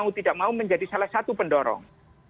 mau tidak mau menjadi salah satu pendorong